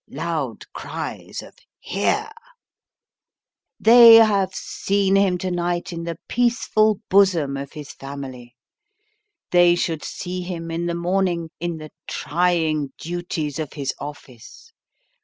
(Loud cries of " Hear !") They have seen him to night in the peaceful bosom of his family ; they should see him in the morning, in the trying duties of his office.